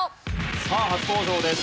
さあ初登場です